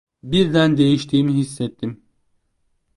Birden değiştiğimi hissettim…